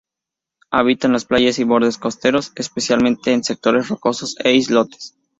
Habita en playas y bordes costeros, especialmente en sectores rocosos e islotes.